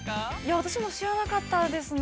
◆私も知らなかったですね。